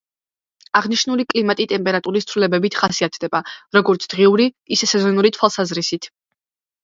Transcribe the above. აღნიშნული კლიმატი ტემპერატურის ცვლილებებით ხასიათდება, როგორც დღიური, ისე სეზონური თვალსაზრისით.